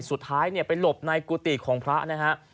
สุดท้ายไปหลบในกุฏิของพระนะฮะ